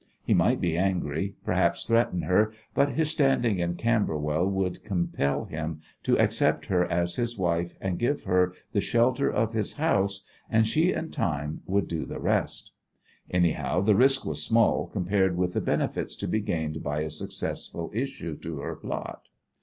He might be angry; perhaps threaten her; but his standing in Camberwell would compel him to accept her as his wife and give her the shelter of his house, and she and Time would do the rest. Anyhow, the risk was small compared with the benefits to be gained by a successful issue to her plot.